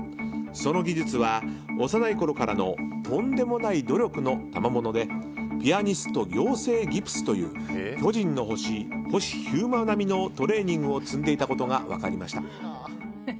その技術は幼いころからのとんでもない努力のたまものでピアニスト養成ギプスという「巨人の星」、星飛雄馬並みのトレーニングを積んでいたことが分かりました。